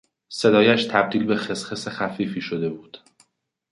صدایش تبدیل به خسخس خفیفی شده بود.